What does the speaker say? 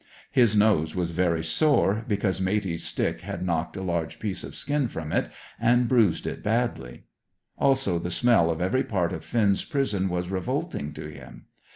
His nose was very sore, because Matey's stick had knocked a large piece of skin from it and bruised it badly. Also, the smell of every part of Finn's prison was revolting to him.